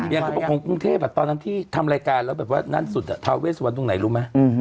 อย่างกับกรุงเทพตอนที่ทำรายการเนื่องงั้นนันสุดพระหัวเสวนตรงไหนรู้ไหม